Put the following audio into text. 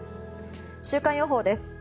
週間予報です。